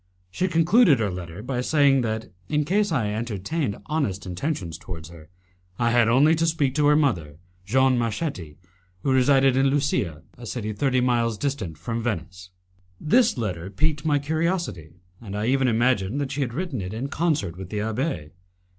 She concluded her letter by saying that, in case I entertained honest intentions towards her, I had only to speak to her mother, Jeanne Marchetti, who resided in Lusia, a city thirty miles distant from Venice. This letter piqued my curiosity, and I even imagined that she had written it in concert with the abbé.